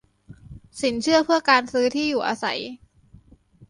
สินเชื่อเพื่อการซื้อที่อยู่อาศัย